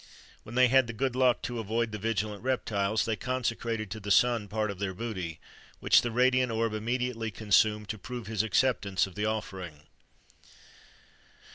When they had the good luck to avoid the vigilant reptiles, they consecrated to the sun part of their booty, which the radiant orb immediately consumed to prove his acceptance of the offering.